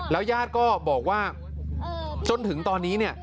แล้วย่าดก็บอกว่าจนถึงตอนนี้